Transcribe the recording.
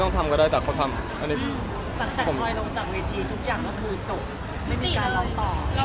หลังจากคอยลงจากเวทีทุกอย่างก็คือจบ